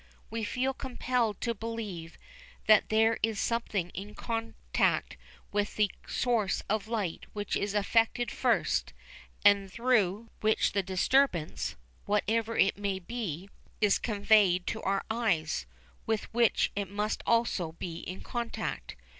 We feel compelled to believe that there is something in contact with the source of light which is affected first, and through which the disturbance, whatever it may be, is conveyed to our eyes, with which it must also be in contact.